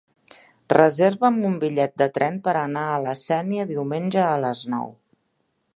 Reserva'm un bitllet de tren per anar a la Sénia diumenge a les nou.